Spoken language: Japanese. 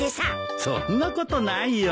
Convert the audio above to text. そんなことないよ。